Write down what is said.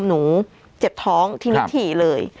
หนูเจ็บท้องทีนี้ถี่เลย